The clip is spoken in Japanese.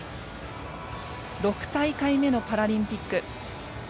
６大会目のパラリンピック。